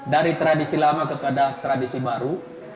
dari tradisi lama kepada tradisi baru